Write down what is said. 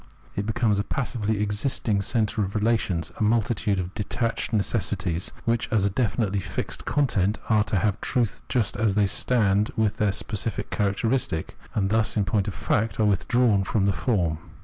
It becomes a passively existing centre of relations, a multitude of detached necessities, which as a definitely fixed content are to have truth just as they stand with their specific characteristic, and thus, ia point of fact, are withdrawn from the form.